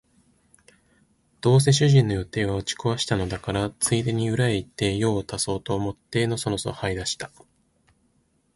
どうせ主人の予定は打ち壊したのだから、ついでに裏へ行って用を足そうと思ってのそのそ這い出した